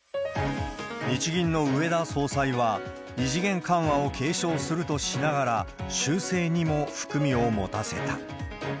日銀の植田総裁は、異次元緩和を継承するとしながら、修正にも含みを持たせた。